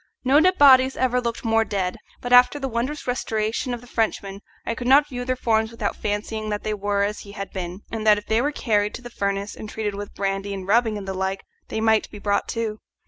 No dead bodies ever looked more dead, but after the wondrous restoration of the Frenchman I could not view their forms without fancying that they were but as he had been, and that if they were carried to the furnace and treated with brandy and rubbing and the like they might be brought to.